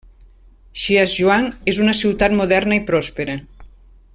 Shijiazhuang és una ciutat moderna i pròspera.